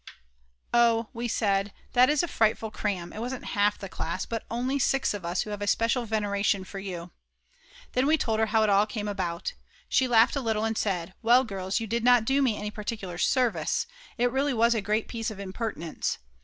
"Oh," we said, "that is a frightful cram, it wasn't half the class, but only 6 of us who have a special veneration for you." Then we told her how it all came about. She laughed a little, and said: "Well, girls, you did not do me any particular service. It really was a great piece of impertinence."